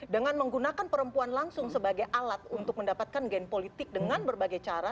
dengan menggunakan perempuan langsung sebagai alat untuk mendapatkan gen politik dengan berbagai cara